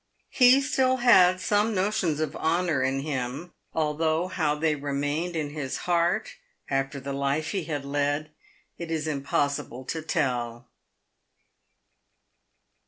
He still had some notions of honour in him, although how they remained in his heart, after the life he had led, it is im possible to tell.